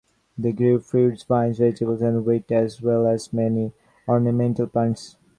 They grew fruits, vines, vegetables and wheat, as well as many ornamental plants.